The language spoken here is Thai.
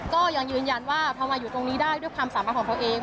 ก็ยังยืนยันว่าพอมาอยู่ตรงนี้ได้ด้วยความสามารถของเขาเอง